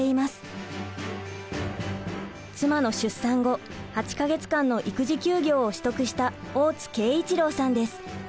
妻の出産後８か月間の育児休業を取得した大津慶一郎さんです。